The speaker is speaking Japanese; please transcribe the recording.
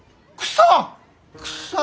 草。